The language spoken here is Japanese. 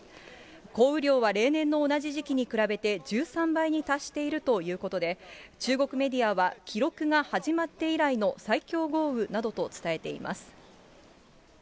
降雨量は例年の同じ時期に比べて１３倍に達しているということで、中国メディアは記録が始まって以来の最強豪雨などと伝えています。